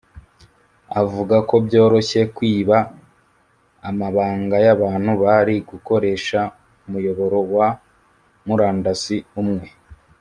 avuga ko byoroshye kwiba amabanga y’abantu bari gukoresha umuyoboro wa murandasi umwe